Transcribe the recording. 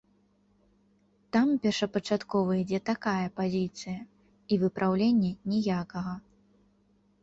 Там першапачаткова ідзе такая пазіцыя, і выпраўлення ніякага.